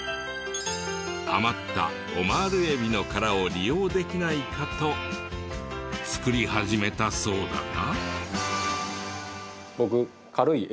余ったオマール海老の殻を利用できないかと作り始めたそうだが。